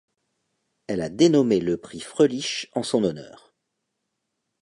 Elle a dénommé le prix Fröhlich en son honneur.